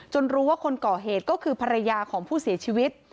รู้ว่าคนก่อเหตุก็คือภรรยาของผู้เสียชีวิต